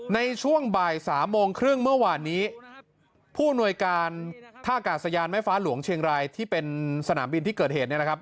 ในช่วงบ่ายสามโมงครึ่งเมื่อวานนี้ผู้อำนวยการท่ากาศยานแม่ฟ้าหลวงเชียงรายที่เป็นสนามบินที่เกิดเหตุเนี่ยนะครับ